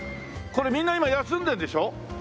これみんな今休んでるんでしょ？